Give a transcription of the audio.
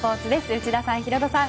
内田さん、ヒロドさん